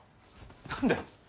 何で？